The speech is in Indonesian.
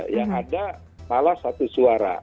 yang ada malah satu suara